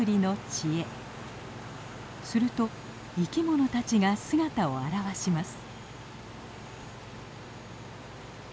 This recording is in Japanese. すると生き物たちが姿を現します。